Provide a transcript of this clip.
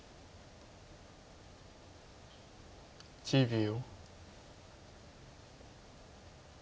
１０秒。